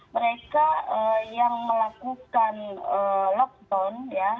mereka yang melakukan lockdown ya